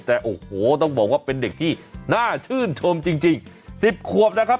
แต่โอ้โหต้องบอกว่าเป็นเด็กที่น่าชื่นชมจริง๑๐ขวบนะครับ